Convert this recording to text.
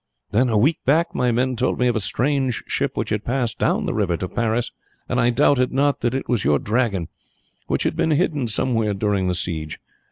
Then, a week back, my men told me of a strange ship which had passed down the river to Paris, and I doubted not that it was your Dragon, which had been hidden somewhere during the siege.